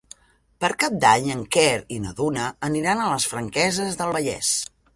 Per Cap d'Any en Quer i na Duna aniran a les Franqueses del Vallès.